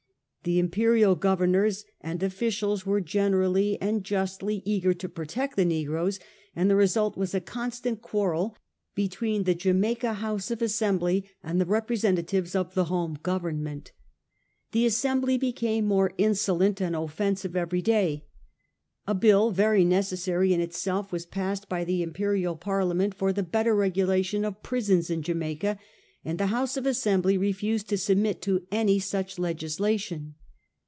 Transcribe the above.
The Imperial governors and ofli VOL. I. K 130 A HISTORY OF OUR OWN TIMES. cn. yi. cials were generally and justly eager to protect the negroes ; and the result was a constant quarrel between the Jamaica House of Assembly and the representatives of the home Government. The As sembly became more insolent and offensive every day. A bill, very necessary in itself, was passed by the Imperial Parliament for the better regulation of prisons in J arnaica, and the House of Assembly re fused to submit to any such legislation.